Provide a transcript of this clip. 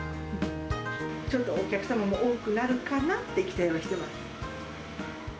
ちょっとお客様も多くなるかなって期待はしてます。